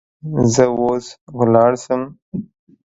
زه اوس چیری ولاړسم؟